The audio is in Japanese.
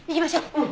うん。